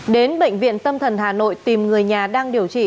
đến bệnh viện tâm thần hà nội tìm người nhà đang điều trị